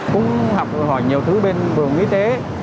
cũng học hỏi nhiều thứ bên vườn y tế